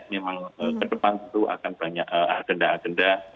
memang ke depan tentu akan banyak agenda agenda